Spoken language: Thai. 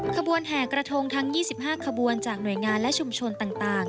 ขบวนแห่กระทงทั้ง๒๕ขบวนจากหน่วยงานและชุมชนต่าง